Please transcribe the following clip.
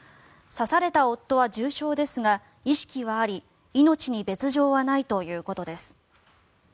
刺された夫は重傷ですが、意識はあり命に別条はないということです。